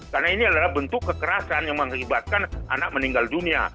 karena ini adalah bentuk kekerasan yang mengibatkan anak meninggal dunia